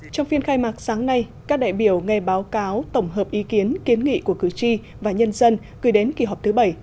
trong phiên khai mạc sáng nay các đại biểu nghe báo cáo tổng hợp ý kiến kiến nghị của cử tri và nhân dân gửi đến kỳ họp thứ bảy